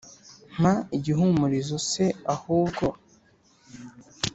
Mpa igihumurizo se ahubwo,